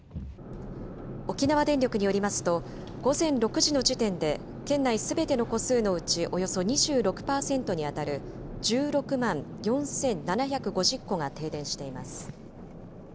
沖縄電力によりますと、午前６時の時点で県内すべての戸数のうちおよそ２６％に当たる１６万４７５０戸が停電しています。